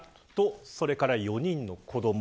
それから４人の子ども。